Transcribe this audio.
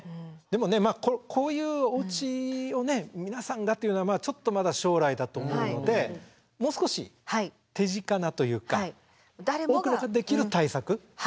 でもこういうおうちをね皆さんがっていうのはちょっとまだ将来だと思うのでもう少し手近なというか多くの方ができる対策それもあるんですよね。